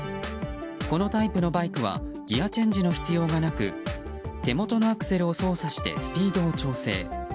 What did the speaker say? このタイプのバイクはギアチェンジの必要がなく手元のアクセルを操作してスピードを調整。